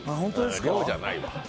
量じゃない。